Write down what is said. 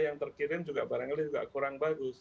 yang terkirim juga barangkali juga kurang bagus